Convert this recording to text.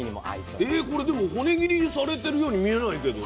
これでも骨切りされてるように見えないけど。